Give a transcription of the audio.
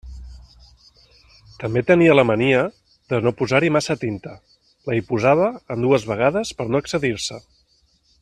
També tenia la mania de no posar-hi massa tinta: la hi posava en dues vegades per no excedir-se.